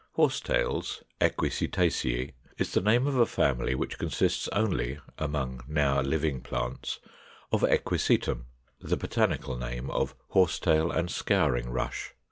485. =Horsetails=, Equisetaceæ, is the name of a family which consists only (among now living plants) of Equisetum, the botanical name of Horsetail and Scouring Rush.